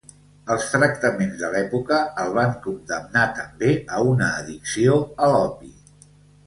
Els tractaments de l'època el van condemnar també a una addicció a l'opi.